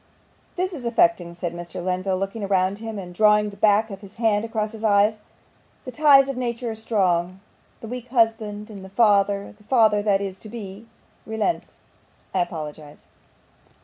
'This is affecting!' said Mr. Lenville, looking round him, and drawing the back of his hand across his eyes. 'The ties of nature are strong. The weak husband and the father the father that is yet to be relents. I apologise.